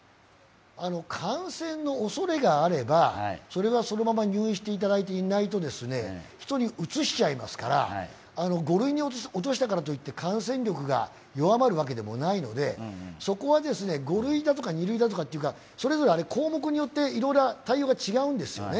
感染の恐れがあれば、それはそのまま入院していただかないと、人にうつしちゃいますから五類に落としたからといって感染力が弱まるわけでもないのでそこは五類だとか二類だとか、それぞれ項目によっていろいろ対応が違うんですよね。